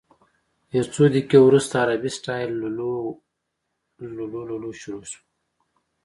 یو څو دقیقې وروسته عربي سټایل لللووللوو شروع شوه.